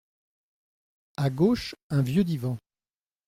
À gauche, un vieux divan…